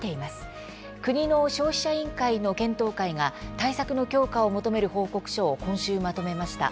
国の消費者委員会の検討会が対策の強化を求める報告書を今週、まとめました。